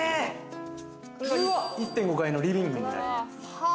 １．５階のリビングになります。